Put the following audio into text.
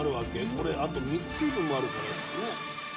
これあと水分もあるからね。